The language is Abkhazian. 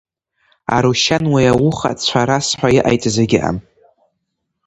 Арушьан уи ауха цәарас ҳәа иҟаиҵаз егьыҟам.